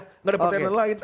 tidak ada partai lain